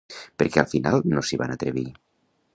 Per què al final no s'hi van atrevir?